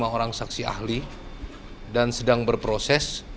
lima orang saksi ahli dan sedang berproses